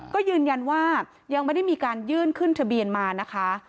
ก็ยืนยันว่ายังไม่ได้มีการยื่นขึ้นทะเบียนมานะคะ